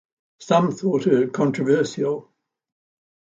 Some thought her controversial.